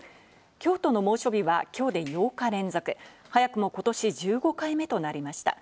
京都の猛暑日は、きょうで８日連続、早くもことし１５回目となりました。